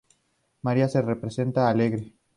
María se representa alegre.